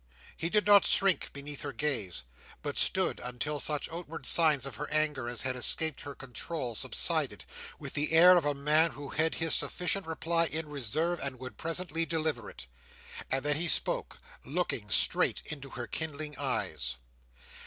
He did not shrink beneath her gaze, but stood, until such outward signs of her anger as had escaped her control subsided, with the air of a man who had his sufficient reply in reserve and would presently deliver it. And he then spoke, looking straight into her kindling eyes.